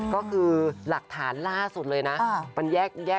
ก็คือหลักฐานล่าสุดเลยนะมันแยก